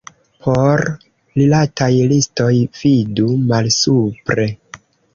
Por rilataj listoj, vidu malsupre.